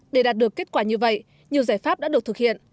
để đạt được kết quả như vậy nhiều giải pháp đã được thực hiện